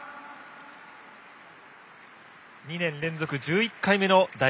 ２年連続１１回目の大学